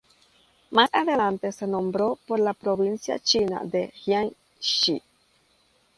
Más adelante se nombró por la provincia china de Jiangxi.